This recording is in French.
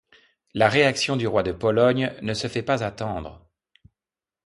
La réaction du roi de Pologne ne se fait pas attendre.